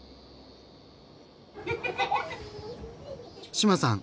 志麻さん